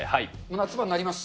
夏場になります。